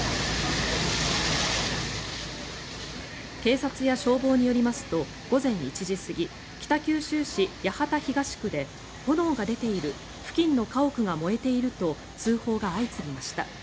警察や消防によりますと午前１時過ぎ北九州市八幡東区で炎が出ている付近の家屋が燃えていると通報が相次ぎました。